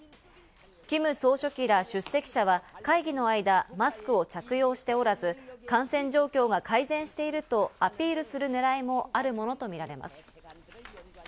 キム総書記ら出席者は会議の間、マスクを着用しておらず、感染状況は改善しているとアピールするねらいもあるものとみられています。